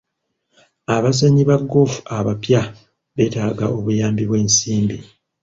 Abazannyi ba ggoofu abapya beetaaga obuyambi bw'ensimbi.